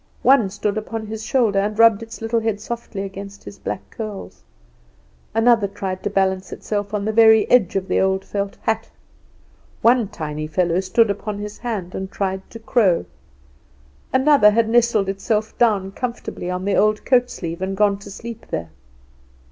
One stood upon his shoulder, and rubbed its little head softly against his black curls: another tried to balance itself on the very edge of the old felt hat. One tiny fellow stood upon his hand, and tried to crow; another had nestled itself down comfortably on the old coat sleeve and gone to sleep there.